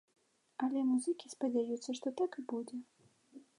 Але музыкі спадзяюцца, што так і будзе.